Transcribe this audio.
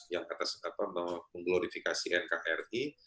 yang kata setengah setengah mengglorifikasi nkri